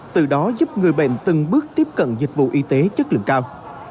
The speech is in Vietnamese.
từ đó giúp người bệnh từng bước tiếp cận dịch vụ y tế chất lượng cao